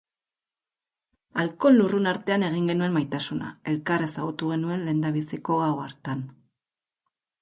Alkohol lurrun artean egin genuen maitasuna elkar ezagutu genuen lehenbiziko gau hartan.